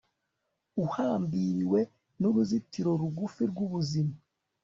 Uhambiriwe nuruzitiro rugufi rwubuzima